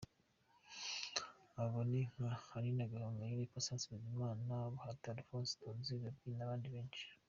Abo ni nka Aline Gahongayire, Patient Bizimana, Bahati Alphonse, Tonzi, Gaby n’abandi benshi.